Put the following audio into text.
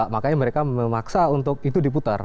makanya mereka memaksa untuk itu diputar